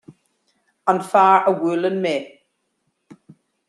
An fear a bhuaileann mé.